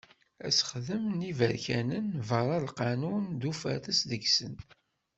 Asexdem n yiberkanen barra n lqanun d ufares deg-sen.